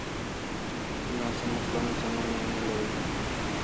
د ناسمو کړنو سمون يې منلی و.